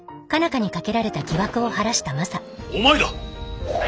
花にかけられた疑惑を晴らしたマサお前だ！